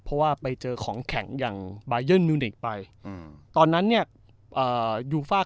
ครับเพราะว่าใจอย่างไปอ่อออ